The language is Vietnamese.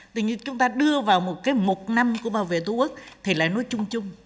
tuy nhiên chúng ta đưa vào một cái một năm của bảo vệ tổ quốc thì lại nói chung chung